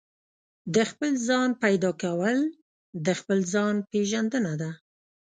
د خپل ځان پيدا کول د خپل ځان پېژندنه ده.